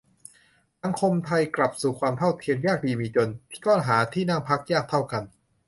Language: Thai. สังคมไทยกลับสู่ความเท่าเทียม ยากดีมีจน ก็หาที่นั่งพักยากเท่ากัน